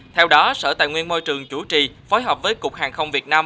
theo đó sở tài nguyên môi trường chủ trì phối hợp với cục hàng không việt nam